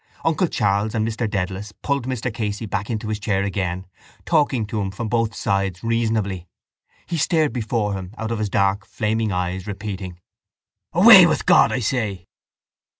Uncle Charles and Mr Dedalus pulled Mr Casey back into his chair again, talking to him from both sides reasonably. He stared before him out of his dark flaming eyes, repeating: —Away with God, I say!